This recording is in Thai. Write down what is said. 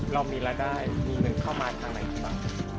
เรามีรายได้มีเงินเข้ามาทางไหนครับ